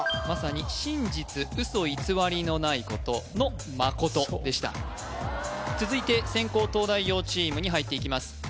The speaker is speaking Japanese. まさに真実うそいつわりのないことのまことでしたそうか続いて先攻東大王チームに入っていきます